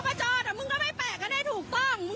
เพราะเด็กเขาเอาใส่ซองอ่ะก็ทายอยู่ทายอยู่